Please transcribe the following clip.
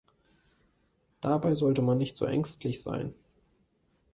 Dabei sollte man nicht so ängstlich sein.